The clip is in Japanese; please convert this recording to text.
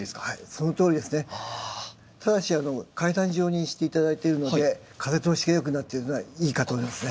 ただし階段状にして頂いてるので風通しが良くなってるのはいいかと思いますね。